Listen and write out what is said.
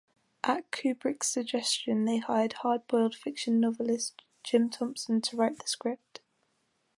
At Kubrick's suggestion they hired hardboiled fiction novelist Jim Thompson to write the script.